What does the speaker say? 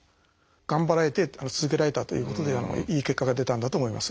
頑張られて続けられたということでいい結果が出たんだと思います。